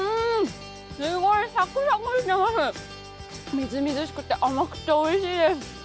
みずみずしくて甘くて、おいしいです。